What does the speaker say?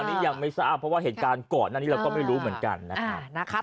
อันนี้ยังไม่ทราบเพราะว่าเหตุการณ์ก่อนอันนี้เราก็ไม่รู้เหมือนกันนะครับ